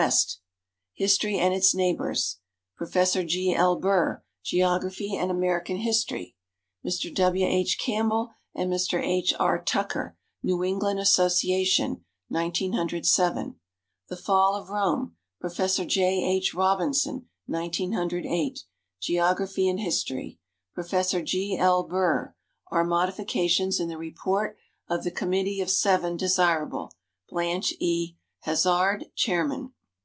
West; "History and Its Neighbors," Prof. G. L. Burr; "Geography and American History," Mr. W. H. Campbell and Mr. H. R. Tucker. New England Association, 1907, "The Fall of Rome," Prof. J. H. Robinson; 1908, "Geography and History," Prof. G. L. Burr; "Are Modifications in the Report of the Committee of Seven Desirable?" Blanche E. Hazard, chairman.